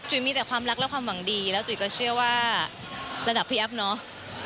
มีแต่ความรักและความหวังดีแล้วจุ๋ยก็เชื่อว่าระดับพี่แอฟเนาะ